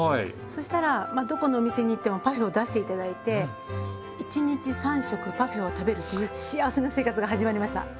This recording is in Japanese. そしたらまあどこの店に行ってもパフェを出して頂いて一日３食パフェを食べるという幸せな生活が始まりました。